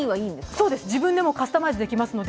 そうです、自分でカスタマイズできますので。